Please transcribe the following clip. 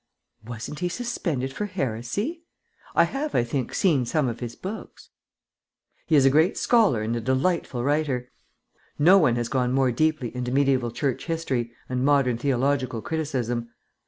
"Wasn't he suspended for heresy? I have, I think, seen some of his books." "He is a great scholar and a delightful writer. No one has gone more deeply into mediæval Church history and modern theological criticism.